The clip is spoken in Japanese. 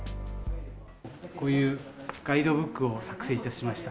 こういうガイドブックを作成しました。